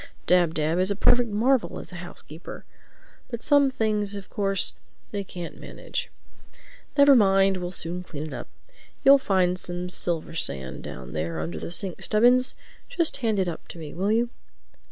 Dab Dab is a perfect marvel as a housekeeper. But some things of course they can't manage. Never mind, we'll soon clean it up. You'll find some silver sand down there, under the sink, Stubbins. Just hand it up to me, will you?"